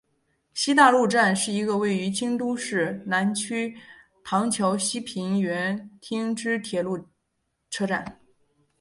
西大路站是一个位于京都市南区唐桥西平垣町之铁路车站。